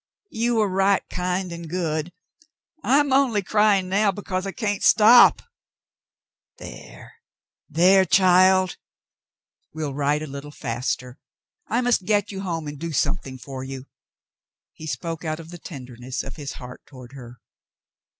You were right kind and good. I'm only crying now because I can't stop." "There, there, child ! We'll ride a little faster. I must get you home and do something for you." He spoke out of the tenderness of his heart toward her.